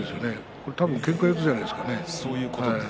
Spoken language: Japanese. これは多分けんか四つじゃないですかね。